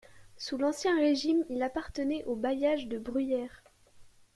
Sous l’Ancien Régime, il appartenait au bailliage de Bruyères.